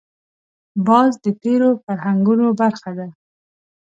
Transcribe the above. باز د تېرو فرهنګونو برخه ده